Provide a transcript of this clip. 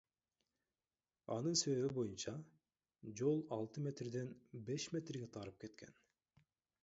Анын эсеби боюнча, жол алты метрден беш метрге тарып кеткен.